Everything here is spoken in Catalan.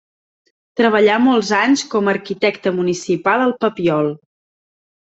Treballà molts anys com a arquitecte municipal al Papiol.